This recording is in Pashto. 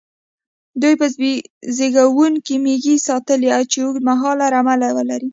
دوی به زېږوونکې مېږې ساتلې، چې اوږد مهاله رمه ولري.